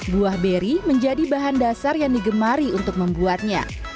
buah beri menjadi bahan dasar yang digemari untuk membuatnya